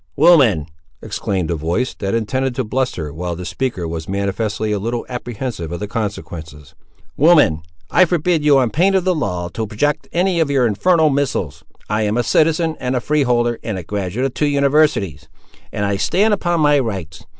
"Woman!" exclaimed a voice, that intended to bluster, while the speaker was manifestly a little apprehensive of the consequences; "Woman, I forbid you on pain of the law to project any of your infernal missiles. I am a citizen, and a freeholder, and a graduate of two universities; and I stand upon my rights!